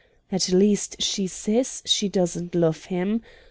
At least she says she doesn't love him.